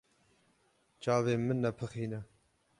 Çavên min nepixîne.